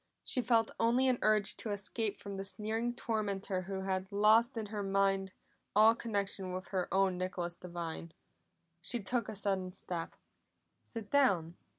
She felt only an urge to escape from the sneering tormentor who had lost in her mind all connection with her own Nicholas Devine. She took a sudden step. "Sit down!"